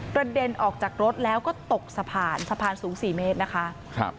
เด็นออกจากรถแล้วก็ตกสะพานสะพานสูง๔เมตรนะคะครับ